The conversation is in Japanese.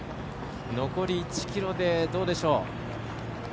残り１ｋｍでどうでしょう。